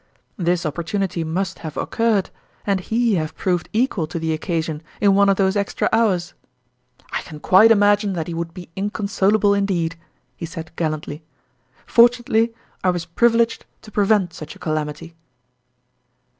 This opportunity must have occurred, and he have proved equal to the occasion, in one of those extra hours !" I can quite imagine that he would be in consolable indeed !" he said gallantly. " For tunately, I was privileged to prevent such a calamity."